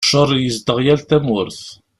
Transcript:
Cceṛ yezdeɣ yal tamurt.